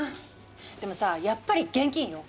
でもさあやっぱり現金よ。